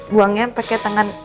buangnya pakai tangan